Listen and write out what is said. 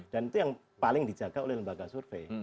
dan itu yang paling dijaga oleh lembaga survei